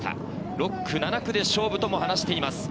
６区、７区で勝負とも話しています。